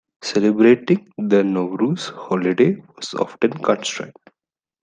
Celebrating the Nowruz holiday was often constrained.